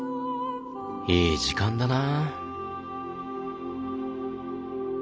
いい時間だな。